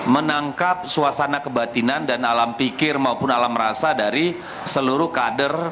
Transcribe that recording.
menangkap suasana kebatinan dan alam pikir maupun alam rasa dari seluruh kader